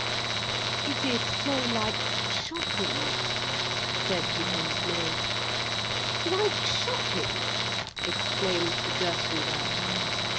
"It is so like shopping," said the Old Maid. "Like shopping!" exclaimed the Girton Girl.